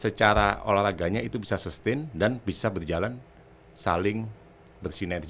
semua orang mempunyai kepentingan